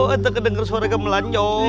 aku kedenger suara gamelan jo